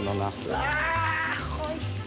うわ！おいしそ。